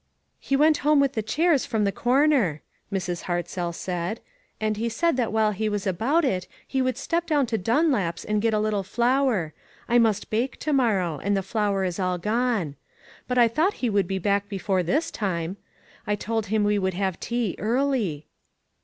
"He went home with the chairs from the "WHERE is JOHN?" 479 corner," Mrs. Hartzell said, "and he said while he was about it he would step down to Dunlap's and get a little flour. I must bake to morrow ; and the flour is all gone. But I thought he would be back before this time. I told him we would have tea early."